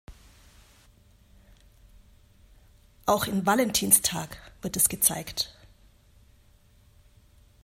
Auch in "Valentinstag" wird es gezeigt.